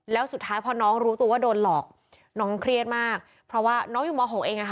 แล้วสุดท้ายพอน้องรู้ตัวว่าโดนหลอกน้องเครียดมากเพราะว่าน้องอยู่ม๖เองอ่ะค่ะ